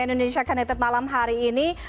indonesia connected malam hari ini